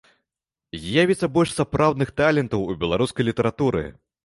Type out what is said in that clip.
З'явіцца больш сапраўдных талентаў у беларускай літаратуры.